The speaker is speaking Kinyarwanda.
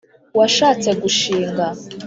washatse gushinga